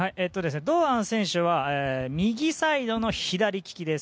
堂安選手は右サイドの左利きです。